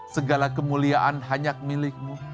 segala kemuliaan hanya milikmu